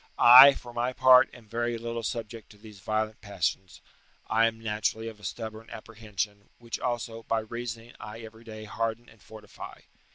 I, for my part, am very little subject to these violent passions; I am naturally of a stubborn apprehension, which also, by reasoning, I every day harden and fortify.